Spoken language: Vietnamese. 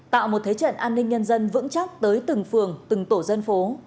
tạo một thế trận an ninh nhân dân vững chắc tới từng phường từng tổ dân phố